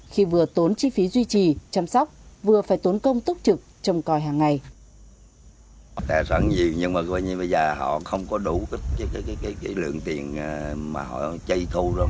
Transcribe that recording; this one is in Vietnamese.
khi vừa tốn chi phí duy trì chăm sóc vừa phải tốn công tốt trực trong coi hàng ngày